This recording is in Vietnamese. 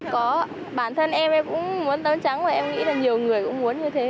có bản thân em em cũng muốn tắm trắng và em nghĩ là nhiều người cũng muốn như thế